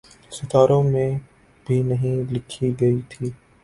ستاروں میں بھی نہیں لکھی گئی تھی۔